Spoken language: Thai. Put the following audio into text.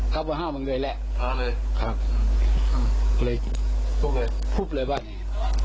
กลับมาห้ามันเลยแหละครับเลยพูดเลยพูดเลยบ้างเนี้ย